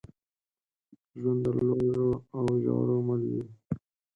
ژوند د لوړو او ژورو مل دی.